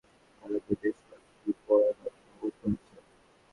কিন্তু আচেহ প্রদেশের বেশির ভাগ এলাকায় বেশ কয়েকটি পরাঘাত অনুভূত হয়েছে।